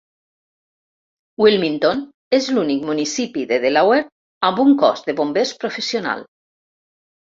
Wilmington és l'únic municipi de Delaware amb un cos de bombers professional.